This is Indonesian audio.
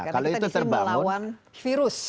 karena kita disini melawan virus